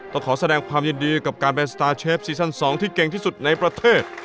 ก็ขอแสดงความยินดีกับการเป็นสตาร์เชฟซีซั่น๒ที่เก่งที่สุดในประเทศ